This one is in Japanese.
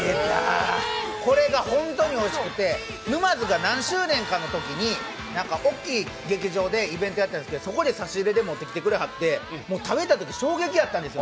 これが本当においしくて、沼津が何周年かのときに、大きい劇場でイベントやったんですけど、そこで差し入れで持ってきてくだはって、食べたとき衝撃だったんですよ。